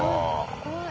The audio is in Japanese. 怖い。